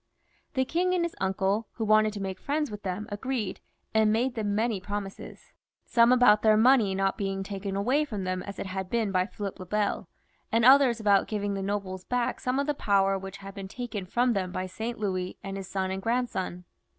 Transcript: The king and his uncle, who wanted to make friends with them, agreed, and made them many promises ; some about their money not being taken away from them as it had been by Philip le Bel, and others about giving the nobles back some of the power which had been taken from them by Saint Louis and his son and grandson.